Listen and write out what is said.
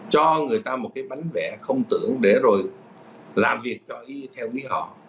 cho người ta một cái bánh vẽ không tưởng để rồi làm việc theo quý họ